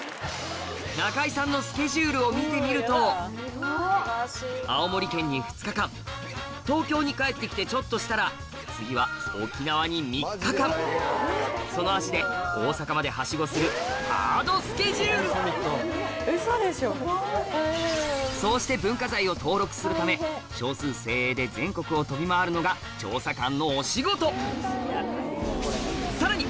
中井さんのスケジュールを見てみると青森県に２日間東京に帰ってきてちょっとしたら次は沖縄に３日間その足で大阪まではしごするハードスケジュールそうして文化財を登録するためのが調査官のお仕事さらに